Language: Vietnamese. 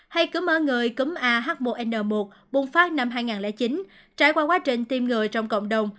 hay cúm ở người cúm ah một n một bùng phát năm hai nghìn chín trải qua quá trình tiêm người trong cộng đồng